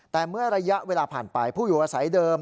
แต่เมื่อระยะเวลาผ่านไปผู้อยู่อาศัยเดิม